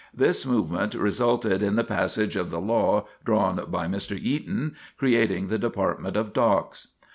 This movement resulted in the passage of the law drawn by Mr. Eaton creating the Department of Docks.